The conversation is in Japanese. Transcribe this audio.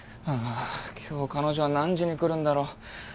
ああ今日彼女は何時に来るんだろう？